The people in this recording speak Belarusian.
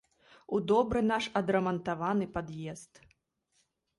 У добры наш адрамантаваны пад'езд.